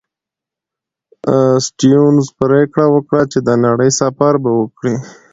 سټيونز پرېکړه وکړه چې د نړۍ سفر به وکړي.